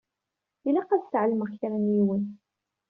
Ilaq ad sɛelmeɣ kra n yiwen.